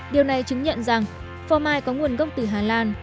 điều này chứng nhận rằng pho mai có nguồn gốc từ hà lan